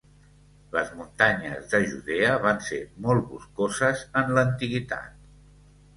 Les muntanyes de Judea van ser molt boscoses en l'antiguitat.